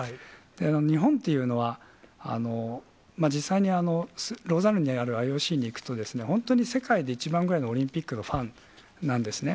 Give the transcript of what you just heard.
日本っていうのは、実際にローザンヌにあるＩＯＣに行くと、本当に世界で一番ぐらいのオリンピックのファンなんですね。